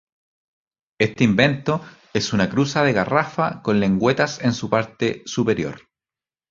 Este invento es una cruza de garrafa con lengüetas en su parte superior.